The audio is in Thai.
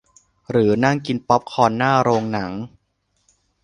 หรือนั่งกินป๊อปคอร์นหน้าโรงหนัง